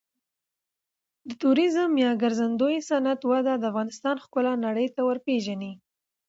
د توریزم یا ګرځندوی صنعت وده د افغانستان ښکلا نړۍ ته ورپیژني.